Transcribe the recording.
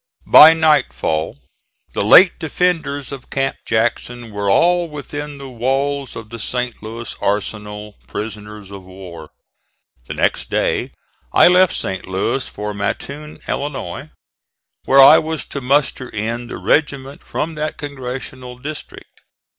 By nightfall the late defenders of Camp Jackson were all within the walls of the St. Louis arsenal, prisoners of war. The next day I left St. Louis for Mattoon, Illinois, where I was to muster in the regiment from that congressional district.